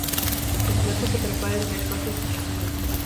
El plato se prepara en tres fases sucesivas.